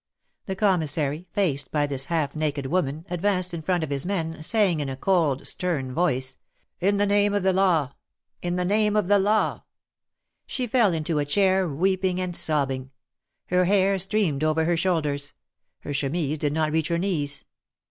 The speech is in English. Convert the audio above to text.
The Commissary, faced by this half naked woman, ad vanced in front of his men, saying, in a cold, stern voice: In the Name of the Law ! In the Name of the Law ! THE MARKETS OF PARIS. 289 She fell into a chair^ weeping and sobbing. Her hair streamed over her shoulders. Her chemise did not reach her knees.